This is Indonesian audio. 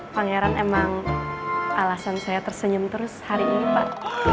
pangeran emang alasan saya tersenyum terus hari ini pak